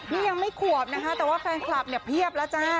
นี่ยังไม่ขวบนะคะแต่ว่าแฟนคลับเนี่ยเพียบแล้วจ้า